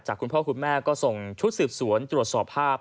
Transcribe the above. คุณพ่อคุณแม่ก็ส่งชุดสืบสวนตรวจสอบภาพ